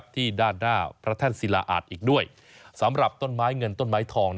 ที่ด้านหน้าพระแท่นศิลาอาจอีกด้วยสำหรับต้นไม้เงินต้นไม้ทอง